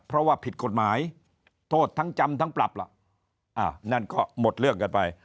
เพราะว่าผิดกฎหมายโทษทั้งจำทั้งปรับล่ะอ่านั่นก็หมดเรื่องกันไป